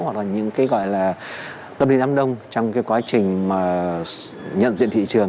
hoặc là những cái gọi là tâm lý đám đông trong cái quá trình mà nhận diện thị trường